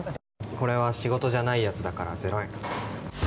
これは仕事じゃないやつだから０円。